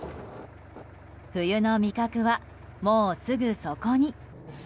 冬の味覚は、もうすぐそこに。